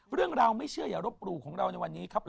เรื่องราวไม่เชื่ออย่ารบหลู่ของเราในวันนี้ครับ